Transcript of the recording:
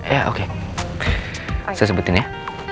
ya oke saya sebutin ya